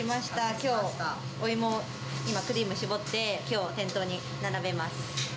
きょう、お芋、今、クリーム絞って、きょう、店頭に並べます。